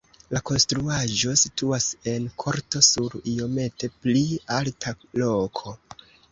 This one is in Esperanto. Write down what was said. La konstruaĵo situas en korto sur iomete pli alta loko.